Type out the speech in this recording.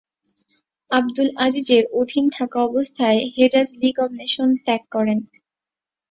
আবদুল আজিজের অধীন থাকাবস্থায় হেজাজ লীগ অব নেশনস ত্যাগ করে।